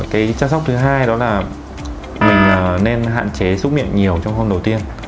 cái chăm sóc thứ hai đó là mình nên hạn chế xúc miệng nhiều trong hôm đầu tiên